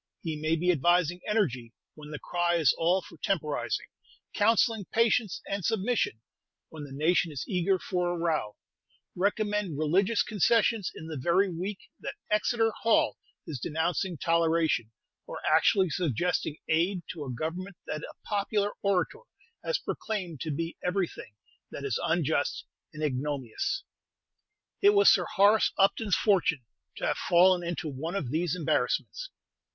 He may be advising energy when the cry is all for temporizing; counselling patience and submission, when the nation is eager for a row; recommend religious concessions in the very week that Exeter Hall is denouncing toleration; or actually suggesting aid to a Government that a popular orator has proclaimed to be everything that is unjust and ignominious. It was Sir Horace Upton's fortune to have fallen into one of these embarrassments.